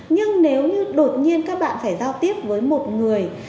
nhưng nếu như đột nhiên các bạn phải giao tiếp với một người